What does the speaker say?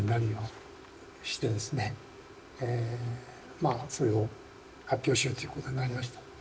まあそれを発表しようということになりました。